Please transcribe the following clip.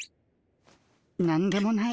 何でもない。